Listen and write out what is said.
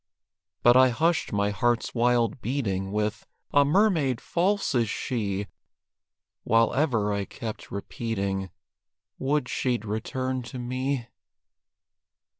But I hushed my heart's wild beating, With "a mermaid false is she!" While ever I kept repeating, "Would she'd return to me!"